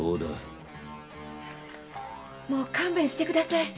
もう勘弁してください。